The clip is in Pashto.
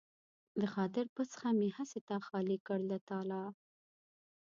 د خاطر بخڅه مې هسې تا خالي کړ له تالا